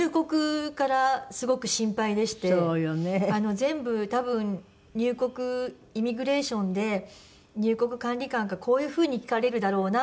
全部多分入国イミグレーションで入国管理官からこういう風に聞かれるだろうな。